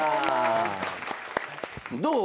どう？